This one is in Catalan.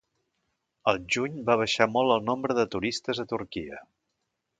Al juny va baixar molt el nombre de turistes a Turquia